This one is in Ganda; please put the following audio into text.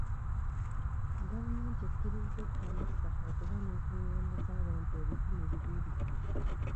Gavumenti ekkirizza ekkanisa okuba n'enkungaana z'abantu ebikumi bibiri.